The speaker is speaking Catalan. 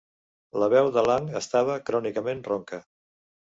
La veu de Lang estava crònicament ronca.